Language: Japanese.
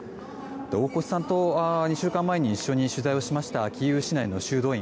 大越さんと２週間前に一緒に取材をしましたキーウ市内の修道院。